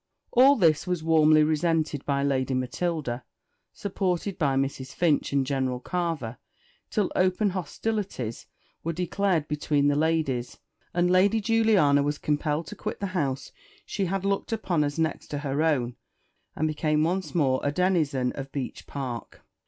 All this was warmly resented by Lady Matilda, supported by Mrs. Finch and General Carver, till open hostilities were declared between the ladies, and Lady Juliana was compelled to quit the house she had looked upon as next to her own, and became once more a denizen of Beech Park.